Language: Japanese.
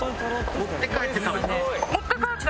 持って帰って食べてました。